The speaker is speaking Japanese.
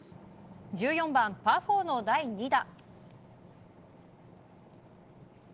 １４番、パー４の第２打。